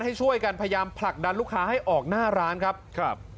ให้ช่วยกันพยายามผลักดันลูกค้าให้ออกหน้าร้านครับครับ